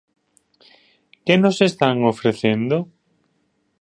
Que nos están ofrecendo?